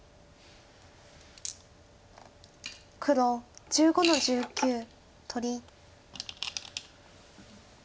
黒１５の十九取り。